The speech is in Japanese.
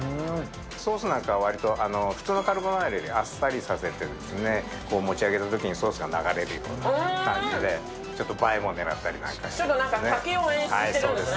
ソースなんかは、普通のカルボナーラよりあっさりさせて、持ち上げたときにソースが流れるような感じでちょっと映えも狙ったりなんかしてますね。